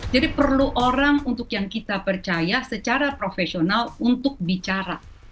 jadi perlu orang untuk yang kita percaya secara profesional untuk bicara